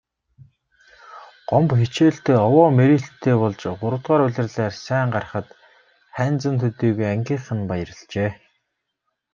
Гомбо хичээлдээ овоо мэрийлттэй болж гуравдугаар улирлаар сайн гарахад Хайнзан төдийгүй ангийнхан нь баярлажээ.